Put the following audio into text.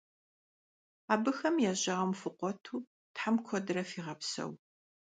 Abıxem ya jauem fıkhuetu Them kuedre fiğepseu!